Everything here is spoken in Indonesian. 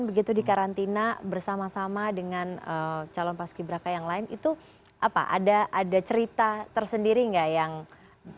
jadi sekarang ini karantina bersama sama dengan calon pasuki braka yang lain itu ada cerita tersendiri gak